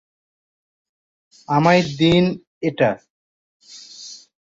আমায় দিন এটা।